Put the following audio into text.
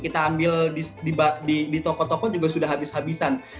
kita ambil di toko toko juga sudah habis habisan